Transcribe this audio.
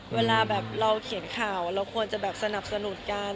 เวลาแบบเราเขียนข่าวเราควรจะแบบสนับสนุนกัน